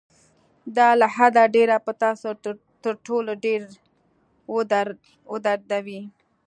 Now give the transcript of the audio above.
دا له حده ډېر به تاسو تر ټولو ډېر ودردوي.